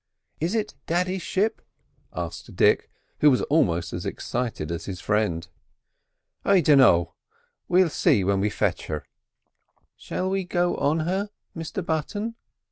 "Is it daddy's ship?" asked Dick, who was almost as excited as his friend. "I dinno; we'll see when we fetch her." "Shall we go on her, Mr Button?"